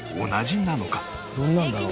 どんなんだろう？